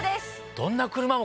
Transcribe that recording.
どんな車も。